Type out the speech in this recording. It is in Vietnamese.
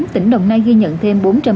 tỉnh đồng nai ghi nhận thêm